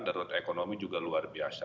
dan ekonomi juga luar biasa